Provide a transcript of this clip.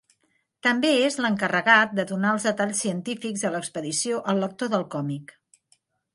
També és l'encarregat de donar els detalls científics de l'expedició al lector del còmic.